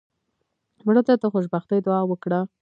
مړه ته د خوشبختۍ دعا وکړه